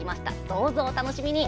どうぞ、お楽しみに。